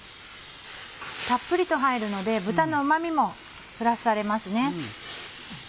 たっぷりと入るので豚のうま味もプラスされます。